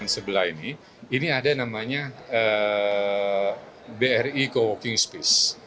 sebelah ini ini ada namanya bri coworking space